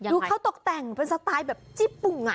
ดูเขาตกแต่งเป็นสไตล์แบบจี้ปุ่ง